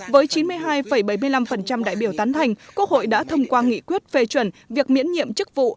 với chín mươi hai bảy mươi năm đại biểu tán thành quốc hội đã thông qua nghị quyết phê chuẩn việc miễn nhiệm chức vụ